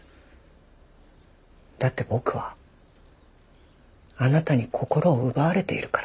だって僕はあなたに心を奪われているから。